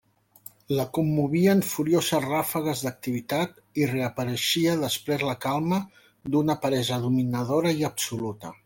La commovien furioses ràfegues d'activitat i reapareixia després la calma d'una peresa dominadora i absoluta.